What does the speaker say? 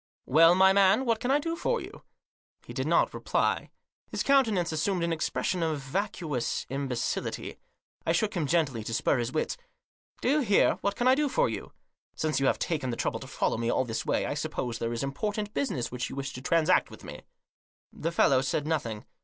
" Well, my man, what can I do for you ?" He did not reply. His countenance assumed an expression of vacuous imbecility. I shook him gently, to spur his wits. " Do you hear, what can I do for you ? Since you have taken the trouble to follow me all this way, I suppose there is important business which you wish to transact with me." The fellow said nothing.